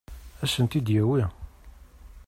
Ad sent-t-id-yawi?